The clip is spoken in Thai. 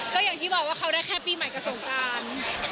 ก็อย่างที่บอกว่าเขาได้แค่ปีใหม่กับสงการ